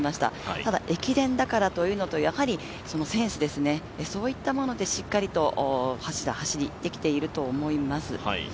ただ駅伝だからというのと、やはりそのセンスですね、そういったものでしっかりとした走りができていると思います。